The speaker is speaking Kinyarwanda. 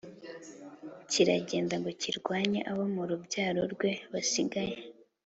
kiragenda ngo kirwanye abo mu rubyaro rwe basigaye,